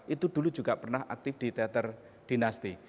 itu dulu juga pernah aktif di teater dinasti